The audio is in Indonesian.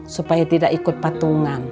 supaya tidak ikut patungan